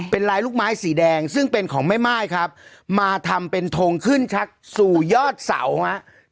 เป็นลายลูกไม้สีแดงซึ่งเป็นของแม่ม่ายครับมาทำเป็นทงขึ้นชักสู่ยอดเสาฮะ